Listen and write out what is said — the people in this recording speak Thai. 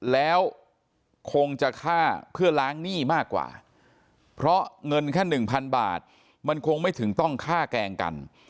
แล้วคงจะฆ่าเพื่อล้างหนี้มากกว่าเพราะเงินแค่๑๐๐บาทมันคงไม่ถึงต้องฆ่าแกล้งกัน